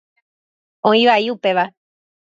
Oĩ vai upéva.